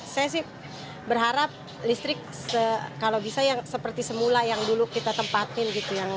saya sih berharap listrik kalau bisa yang seperti semula yang dulu kita tempatin gitu